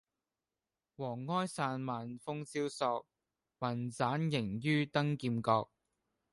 黃埃散漫風蕭索，云棧縈紆登劍閣。